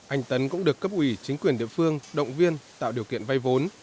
anh tấn cũng được cấp ủy chính quyền địa phương động viên tạo điều kiện vay vốn